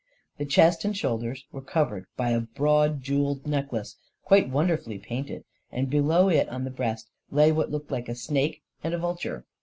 The chest and shoulders were covered by a broad, jewelled necklace, quite wonderfully painted, and below it on the breast lay what looked like a snake and a vulture.